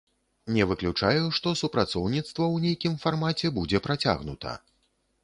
Не выключаю, што супрацоўніцтва ў нейкім фармаце будзе працягнута.